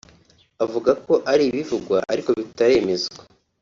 avuga ko ari ibivugwa ariko bitaremezwa